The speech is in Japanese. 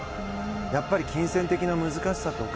やっぱり金銭的な難しさとか。